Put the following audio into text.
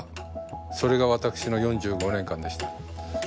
それが私の４５年間でした。